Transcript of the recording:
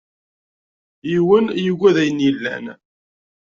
Yiwen yugad ayen yellan.